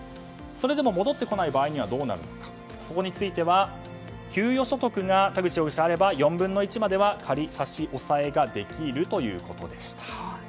それでも戻ってこない場合はどうなるのかについては給与所得が田口容疑者、あれば４分の１までは仮差し押さえができるということでした。